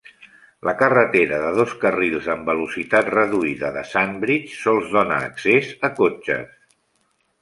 La carretera de dos carrils amb velocitat reduïda de Sandbridge sols dóna accés a cotxes.